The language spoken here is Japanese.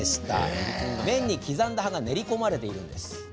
麺に刻んだ葉が練り込まれているんです。